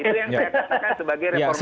itu yang saya katakan sebagai reformasi